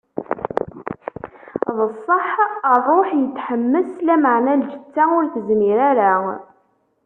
D ṣṣeḥḥ, Ṛṛuḥ itḥemmes, lameɛna lǧetta ur tezmir ara.